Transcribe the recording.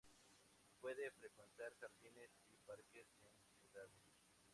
Puede frecuentar jardines y parques en ciudades.